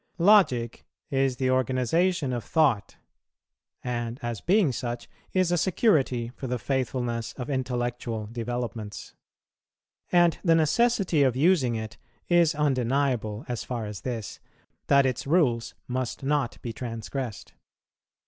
Logic is the organization of thought, and, as being such, is a security for the faithfulness of intellectual developments; and the necessity of using it is undeniable as far as this, that its rules must not be transgressed.